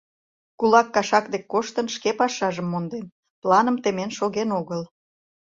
Кулак кашак дек коштын, шке пашажым монден, планым темен шоген огыл...